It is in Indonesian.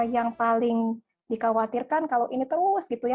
yang paling dikhawatirkan kalau ini terus gitu ya